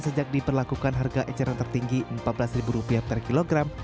sejak diperlakukan harga eceran tertinggi rp empat belas per kilogram